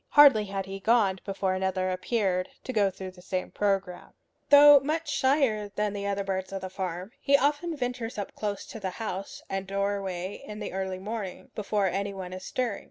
Hardly had he gone before another appeared, to go through the same program. Though much shyer than other birds of the farm, he often ventures up close to the house and doorway in the early morning, before any one is stirring.